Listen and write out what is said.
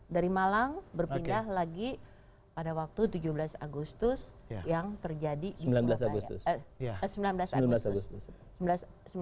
dari malang berpindah lagi pada waktu tujuh belas agustus yang terjadi di surabaya